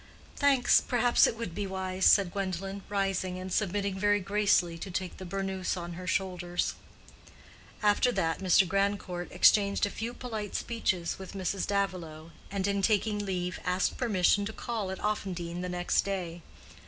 "Thanks; perhaps it would be wise," said Gwendolen, rising, and submitting very gracefully to take the burnous on her shoulders. After that, Mr. Grandcourt exchanged a few polite speeches with Mrs. Davilow, and, in taking leave, asked permission to call at Offendene the next day.